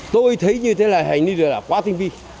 tôi thấy như thế là hành lý này là quá tinh vi